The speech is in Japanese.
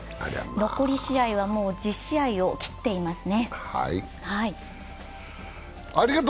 残り試合は１０試合を切っていますね。